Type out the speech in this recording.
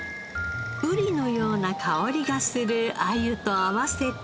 ウリのような香りがするアユと合わせて。